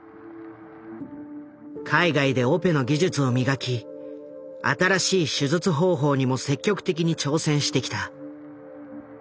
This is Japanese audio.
海外でオペの技術を磨き新しい手術方法にも積極的に挑戦してきた。